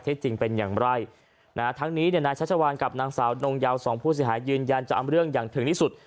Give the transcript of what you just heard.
จริงเป็นอย่างไรนะฮะทั้งนี้เนี่ยนายชัชวานกับนางสาวนงยาวสองผู้เสียหายยืนยันจะเอาเรื่องอย่างถึงที่สุด